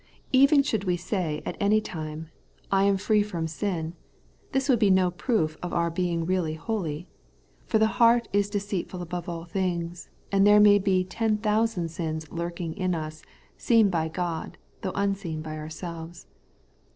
Even should we say at any time, ' I am free from sin,' this would be no proof of our being really holy : for the heart is deceitful above all things, and there may be ten thousand sins lurking in us ; seen by God, though unseen by ourselves.